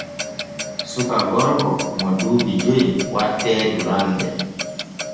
Suka gorko mo duuɓi joy wattee durande.